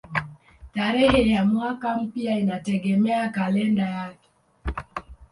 Tarehe ya mwaka mpya inategemea kalenda yake.